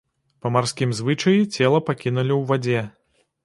Па марскім звычаі цела пакінулі ў вадзе.